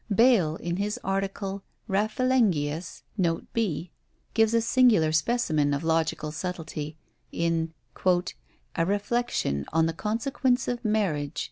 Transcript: Bayle, in his article Raphelengius, note B, gives a singular specimen of logical subtlety, in "a reflection on the consequence of marriage."